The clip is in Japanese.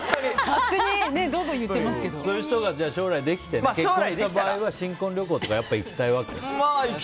そういう人ができて将来結婚した場合は新婚旅行とか行きたいわけ？